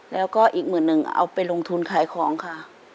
แล้วก็อีกหมื่นหนึ่งเอาไปลงทุนขายของค่ะ